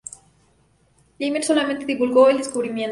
Jenner solamente divulgó el descubrimiento.